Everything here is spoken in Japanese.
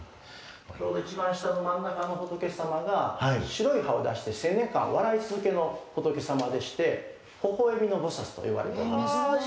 ちょうど一番下の真ん中の仏様が白い歯を出して１０００年間笑い続けの仏様でしてほほえみの菩薩と呼ばれております。